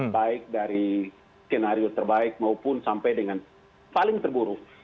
baik dari skenario terbaik maupun sampai dengan paling terburuk